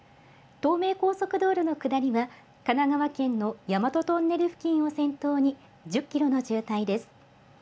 東名高速道路の下りは、神奈川県の大和トンネル付近を先頭に１０キロの渋滞です。